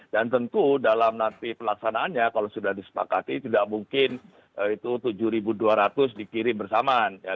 dan tentu dalam nanti pelaksanaannya kalau sudah disepakati tidak mungkin itu tujuh dua ratus dikirim bersamaan